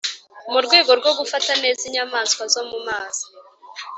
mu rwego rwo gufata neza inyamanswa zo mumazi